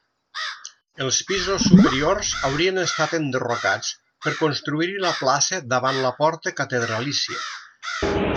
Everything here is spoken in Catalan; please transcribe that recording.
Els pisos superiors haurien estat enderrocats per construir-hi la plaça davant la porta catedralícia.